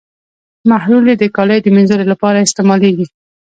محلول یې د کالیو د مینځلو لپاره استعمالیږي.